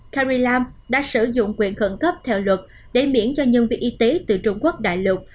cari lam đã sử dụng quyền khẩn cấp theo luật để miễn cho nhân viên y tế từ trung quốc đại lục